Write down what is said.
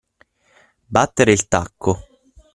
Battere il tacco.